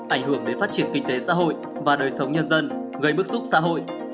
ảnh hưởng đến phát triển kinh tế xã hội và đời sống nhân dân gây bức xúc xã hội